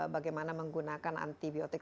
bagaimana menggunakan antibiotik